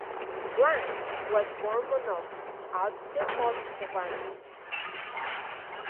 Blanc was born in Manosque, Alpes-de-Haute-Provence.